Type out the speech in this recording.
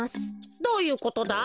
どういうことだ？